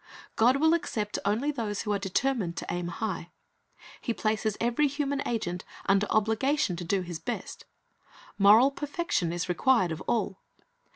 God will accept only those who are determined to aim high. He places every human agent under obligation to do his best. Moral perfection is required of all.